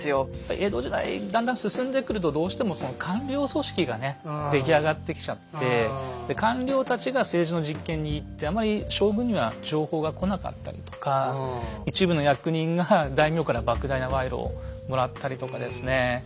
江戸時代だんだん進んでくるとどうしてもその官僚組織がね出来上がってきちゃって官僚たちが政治の実権握ってあまり将軍には情報が来なかったりとか一部の役人が大名から莫大なワイロをもらったりとかですね